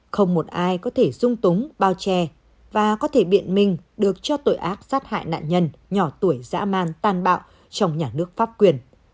không một ai có thể dung túng bao che và có thể biện minh được cho tội ác sát hại nạn nhân nhỏ tuổi dã man tàn bạo trong nhà nước pháp quyền